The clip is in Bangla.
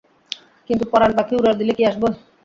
কিন্তু পরান পাখি উড়াল দিলে কি আসব?